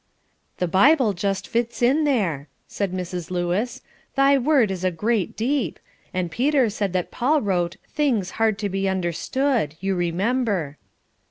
"The Bible just fits in there," said Mrs. Lewis. "'Thy Word is a great deep,' and Peter said that Paul wrote 'things hard to be understood,' you remember."